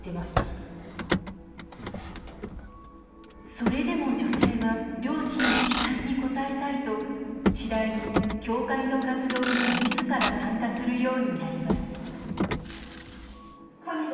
それでも女性は両親の期待に応えたいと次第に教会の活動に、みずから参加するようになります